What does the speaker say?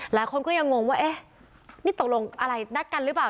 หลายคนก็ยังงงว่าเอ๊ะนี่ตกลงอะไรนัดกันหรือเปล่า